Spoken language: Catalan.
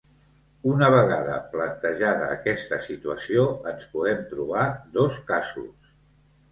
Una vegada plantejada aquesta situació ens podem trobar dos casos.